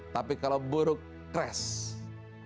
tapi kalau buruk crash